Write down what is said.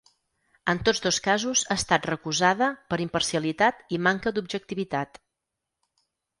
En tots dos casos ha estat recusada per imparcialitat i manca d’objectivitat.